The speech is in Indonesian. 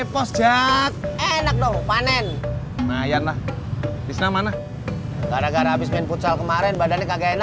posjak enak no panen mayan lah di sana mana maka bagaimana habis bagain pucuk kemarin badannya kagak